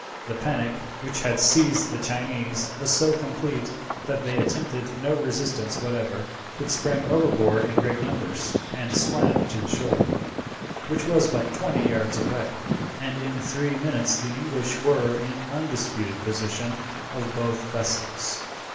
The panic which had seized the Chinese was so complete that they attempted no resistance whatever, but sprang overboard in great numbers and swam to the shore, which was but twenty yards away, and in three minutes the English were in undisputed possession of both vessels.